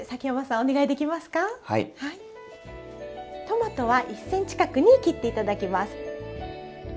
トマトは１ｃｍ角に切って頂きます。